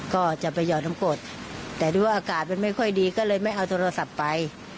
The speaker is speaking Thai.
ก็จะไปหยอดน้ำกรดแต่ดูว่าอากาศมันไม่ค่อยดีก็เลยไม่เอาโทรศัพท์ไป